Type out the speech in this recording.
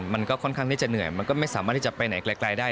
มันก็ค่อนข้างที่จะเหนื่อยมันก็ไม่สามารถที่จะไปไหนไกลได้